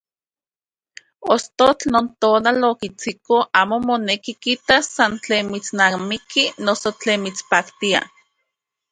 Ostotl non tonal okitsiko amo moneki tikitas san tlen mitsnamiki noso te mitspaktia.